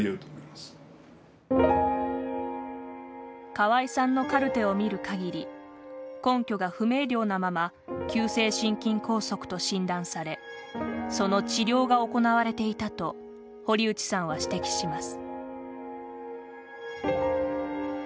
河合さんのカルテを見る限り根拠が不明瞭なまま急性心筋梗塞と診断されその治療が行われていたと堀内さんは指摘します。